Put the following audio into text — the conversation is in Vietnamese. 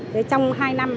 để trong hai năm